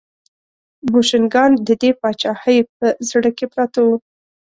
بوشنګان د دې پاچاهۍ په زړه کې پراته وو.